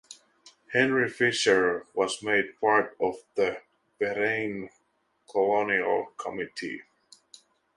Henry Fisher was made part of the Verein colonial committee.